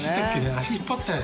足引っ張ったよ